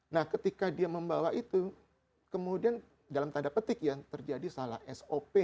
nah ketika dia membawa itu kemudian dalam tanda petik ya terjadi salah sop